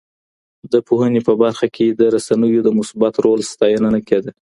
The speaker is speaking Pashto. د پوهنې په برخه کي د رسنیو د مثبت رول ستاینه نه کيده.